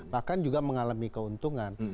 bahkan juga mengalami keuntungan